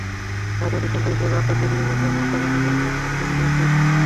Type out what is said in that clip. রাজনৈতিক সন্ত হিসেবে আচার্য বিনোবা ভাবে মহাত্মা গান্ধীর পরে ভারতে সর্বাধিক পরিচিত ব্যক্তি।